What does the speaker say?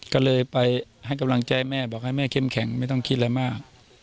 ก็เลยไปให้กำลังใจแม่บอกให้แม่เข้มแข็งไม่ต้องคิดอะไรมาก